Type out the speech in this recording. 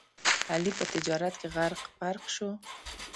علي په تجارت کې غرق پرق شو.